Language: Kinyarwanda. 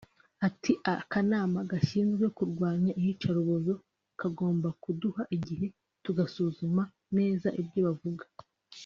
Ati “Akanama gashinzwe kurwanya iyicarubozo kagombaga kuduha igihe tugasuzuma neza ibyo bavuga